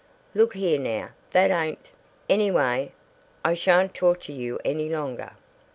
"Look here now, that ain't " "Anyway, I sha'n't torture you any longer."